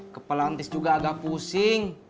kepala tis juga agak pusing